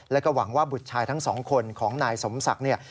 แล้วก็หวังว่าบุตรชายทั้งสองคนของนายสมศักดิ์เนี่ย